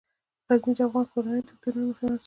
غزني د افغان کورنیو د دودونو مهم عنصر دی.